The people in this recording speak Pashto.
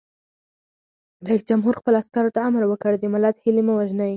رئیس جمهور خپلو عسکرو ته امر وکړ؛ د ملت هیلې مه وژنئ!